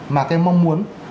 mà các em mong muốn